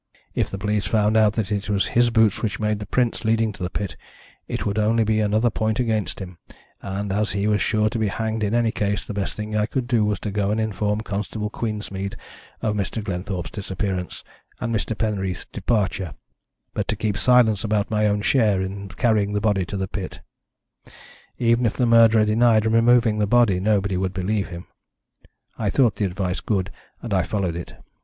If the police found out that it was his boots which made the prints leading to the pit it would only be another point against him, and as he was sure to be hanged in any case the best thing I could do was to go and inform Constable Queensmead of Mr. Glenthorpe's disappearance and Mr. Penreath's departure, but to keep silence about my own share in carrying the body to the pit. Even if the murderer denied removing the body nobody would believe him. I thought the advice good, and I followed it.